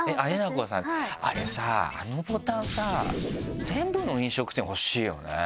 あれさあのボタンさ全部の飲食店欲しいよね。